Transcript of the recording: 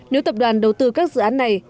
nếu tập đoàn đầu tư các dự án này